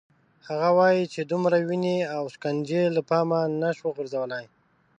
هغه وايي چې دومره وینې او شکنجې له پامه نه شو غورځولای.